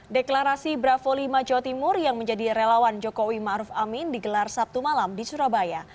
deklarasi bravo lima jawa timur yang menjadi relawan jokowi ⁇ maruf ⁇ amin digelar sabtu malam di surabaya